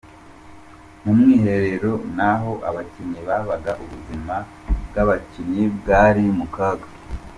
Mu mwiherero naho abakinnyi babaga ubuzima bw’abakinnyi bwari mu kaga.